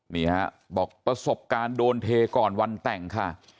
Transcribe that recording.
นี่ฮะบอกประสบการณ์โดนเทก่อนวันแต่งค่ะ